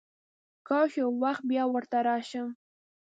کاش یو وخت بیا ورته راشم.